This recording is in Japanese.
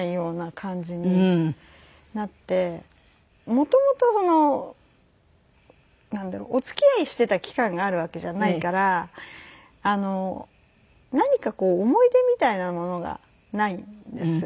もともとなんだろう？お付き合いしてた期間があるわけじゃないから何か思い出みたいなものがないんですよね。